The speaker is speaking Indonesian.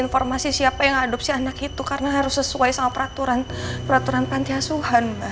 informasi siapa yang adopsi anak itu karena harus sesuai sama peraturan peraturan pantiasuhan mbak